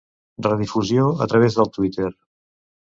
Redifusió a través del Twitter.